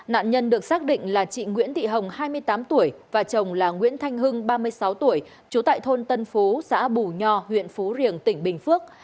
nạn nhân được xác định là chị nguyễn thị hồng hai mươi tám tuổi và chồng là nguyễn thanh hưng ba mươi sáu tuổi trú tại thôn tân phú xã bù nho huyện phú riềng tỉnh bình phước